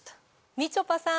みちょぱさん